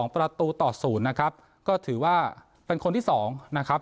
ประตูต่อ๐นะครับก็ถือว่าเป็นคนที่๒นะครับ